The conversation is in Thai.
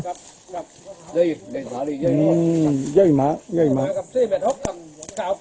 เหลืองเท้าอย่างนั้น